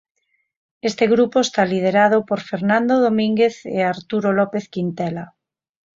Este grupo está liderado por Fernando Domínguez e Arturo López Quintela.